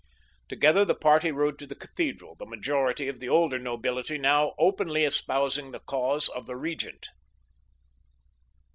Together the party rode to the cathedral, the majority of the older nobility now openly espousing the cause of the Regent.